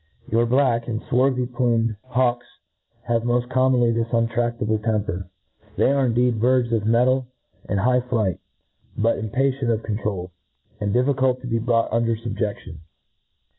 Youc black and fwarthy plume^ hawks have mpft com* monly this untraftable temper. They are indeed birds of metal and high flight, but impatient oT controul, and difficult to be brought under fubjec«^ ticm.